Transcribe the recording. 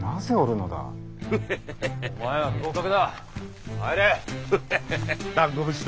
お前は不合格だ。